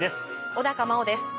小茉緒です。